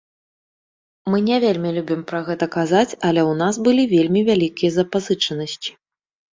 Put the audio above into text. Мы не вельмі любім пра гэта казаць, але ў нас былі вельмі вялікія запазычанасці.